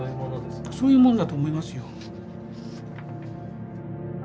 そういうものだと思いますよ。